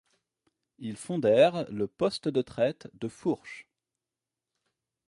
Ils fondèrent le poste de traite de Fourche.